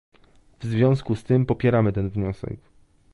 W związku z tym popieramy ten wniosek